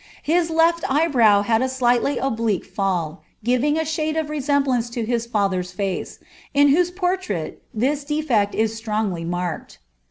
His lefl eyebrow had a slightly oblique a shade of resemblance to his father's face, in wnose portrait is very strongly marked.